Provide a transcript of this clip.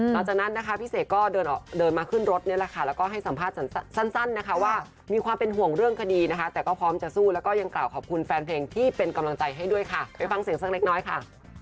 หลังจากนั้นนะคะพี่เสกก็เดินมาขึ้นรถนี่แหละค่ะแล้วก็ให้สัมภาษณ์สั้นนะคะว่ามีความเป็นห่วงเรื่องคดีนะคะแต่ก็พร้อมจะสู้แล้วก็ยังกล่าวขอบคุณแฟนเพลงที่เป็นกำลังใจให้ด้วยค่ะไปฟังเสียงสักเล็กน้อยค่ะ